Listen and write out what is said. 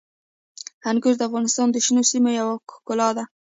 انګور د افغانستان د شنو سیمو یوه ښکلا ده.